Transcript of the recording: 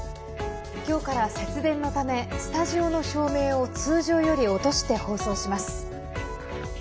きょうから節電のためスタジオの照明を通常より落として放送します。